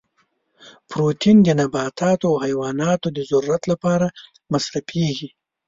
پروتین د نباتاتو او حیواناتو د ضرورت لپاره مصرفیږي.